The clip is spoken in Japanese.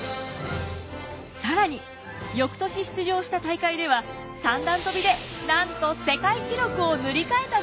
更に翌年出場した大会では三段跳びでなんと世界記録を塗り替えたのです。